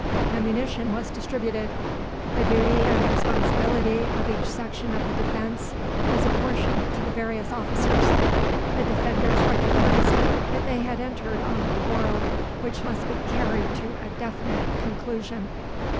Ammunition was distributed. The duty and responsibility of each section of the defence was apportioned to the various officers. The defenders recognised that they had entered on a quarrel which must be carried to a definite conclusion.